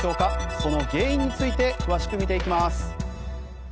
その原因について詳しく見ていきます。